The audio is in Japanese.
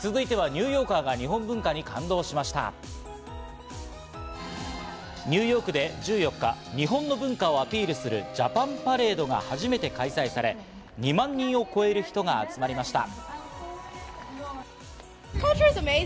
ニューヨークで１４日、日本の文化をアピールするジャパンパレードが初めて開催され、２万人を超える人が集まりました。